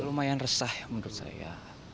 lumayan resah menurut saya